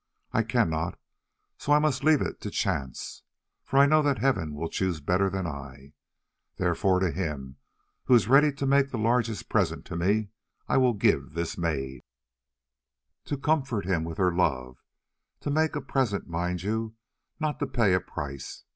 I cannot, so I must leave it to chance, for I know that Heaven will choose better than I. Therefore to him who is ready to make the largest present to me I will give this maid, to comfort him with her love; to make a present, mind you, not to pay a price.